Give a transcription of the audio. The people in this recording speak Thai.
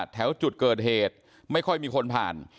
แถวจุดเกิดเหตุไม่ค่อยมีคนผ่าน